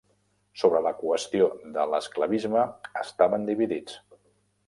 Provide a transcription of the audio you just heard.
Sobre la qüestió de l'esclavisme estaven dividits.